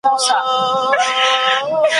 نرۍ لاري را ته ګوري